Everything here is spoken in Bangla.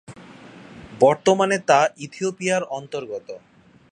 বর্তমানে তা ইথিওপিয়ার অন্তর্গত।